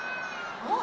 おっ！